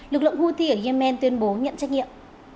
lực lượng houthi ở yemen tuyên bố nhận trách nhiệm